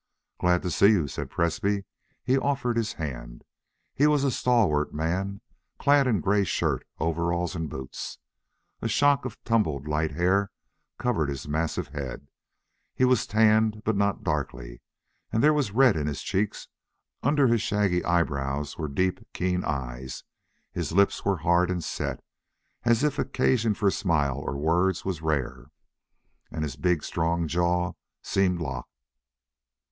"Glad to see you," said Presbrey. He offered his hand. He was a stalwart man, clad in gray shirt, overalls, and boots. A shock of tumbled light hair covered his massive head; he was tanned, but not darkly, and there was red in his cheeks; under his shaggy eyebrows were deep, keen eyes; his lips were hard and set, as if occasion for smiles or words was rare; and his big, strong jaw seemed locked.